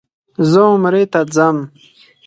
زه عمرې ته ځم.